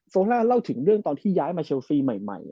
โซลาร์เล่าถึงตอนที่ย้ายมาเชียวสี่ใหม่